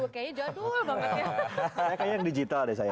kayaknya yang digital deh saya